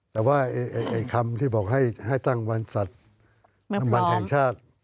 แต่ว่าไอ้คำที่บอกให้ตั้งบรรสัตว์บรรแห่งชาติ